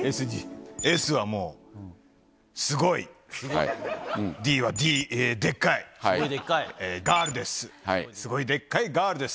Ｓはもう、すごい、Ｄはでっかい、ガールです。